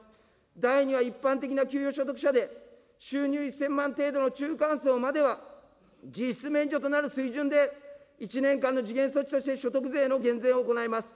第２は一般的な給与所得者で、収入１０００万程度の中間層までは、実質免除となる水準で、１年間の時限措置として所得税の減税も行います。